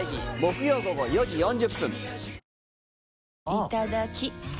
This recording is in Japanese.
いただきっ！